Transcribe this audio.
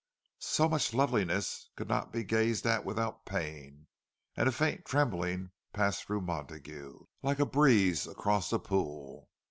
So much loveliness could not be gazed at without pain; and a faint trembling passed through Montague, like a breeze across a pool.